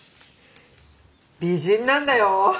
美人なんだよ